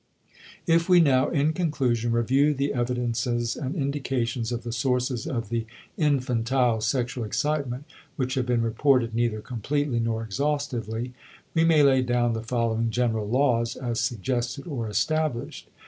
If we now, in conclusion, review the evidences and indications of the sources of the infantile sexual excitement, which have been reported neither completely nor exhaustively, we may lay down the following general laws as suggested or established.